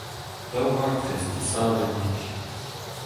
Daou raktres disheñvel-mik.